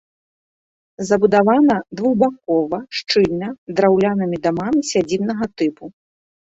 Забудавана двухбакова, шчыльна, драўлянымі дамамі сядзібнага тыпу.